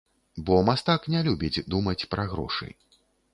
Бо, мастак не любіць думаць пра грошы.